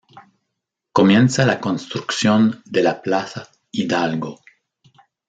Comienza la construcción de la Plaza Hidalgo.